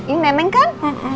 ini nenek kan